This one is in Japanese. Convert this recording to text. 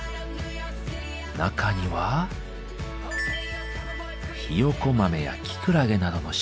中にはひよこ豆やキクラゲなどの食材が。